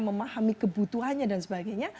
memahami kebutuhannya dan sebagainya